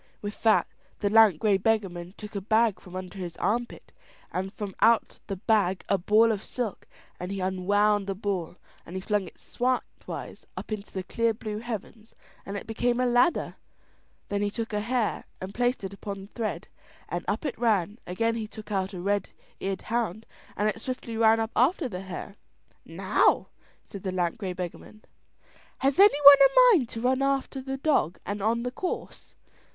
With that the lank grey beggarman took a bag from under his armpit, and from out the bag a ball of silk, and he unwound the ball and he flung it slantwise up into the clear blue heavens, and it became a ladder; then he took a hare and placed it upon the thread, and up it ran; again he took out a red eared hound, and it swiftly ran up after the hare. "Now," said the lank grey beggarman; "has any one a mind to run after the dog and on the course?"